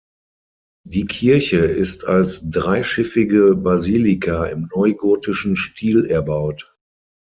Die Kirche ist als dreischiffige Basilika im neugotischen Stil erbaut.